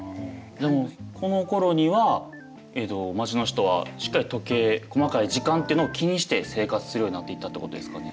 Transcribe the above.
でもこのころにはえっと街の人はしっかり時計細かい時間っていうのを気にして生活するようになっていったっていうことですかね。